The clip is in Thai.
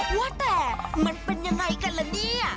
ว่าแต่มันเป็นยังไงกันละเนี่ย